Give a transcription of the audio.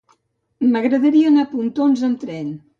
M'agradaria anar a Pontós amb tren.